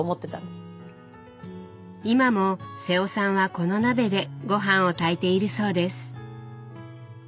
今も瀬尾さんはこの鍋でごはんを炊いているそうです。